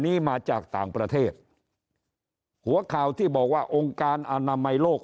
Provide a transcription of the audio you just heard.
นี้มาจากต่างประเทศหัวข่าวที่บอกว่าองค์การอนามัยโลก